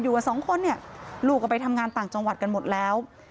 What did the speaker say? กับสองคนเนี่ยลูกก็ไปทำงานต่างจังหวัดกันหมดแล้ว